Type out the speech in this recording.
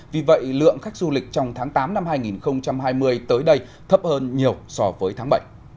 vì vậy lượng khách du lịch trong tháng tám năm hai nghìn hai mươi tới đây thấp hơn nhiều so với tháng bảy